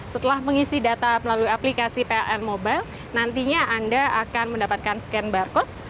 setelah mengisi data melalui aplikasi pln mobile nantinya anda akan mendapatkan scan barcode